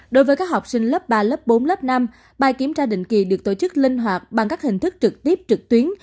đối với các học sinh lớp ba lớp bốn lớp năm bài kiểm tra định kỳ được tổ chức linh hoạt bằng các hình thức trực tiếp trực tuyến